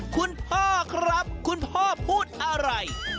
คุณพ่อครับคุณพ่อพูดอะไร